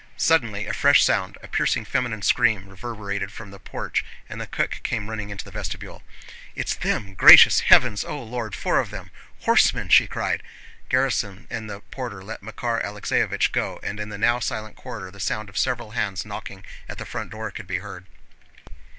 Suddenly a fresh sound, a piercing feminine scream, reverberated from the porch and the cook came running into the vestibule. "It's them! Gracious heavens! O Lord, four of them, horsemen!" she cried. Gerásim and the porter let Makár Alexéevich go, and in the now silent corridor the sound of several hands knocking at the front door could be heard.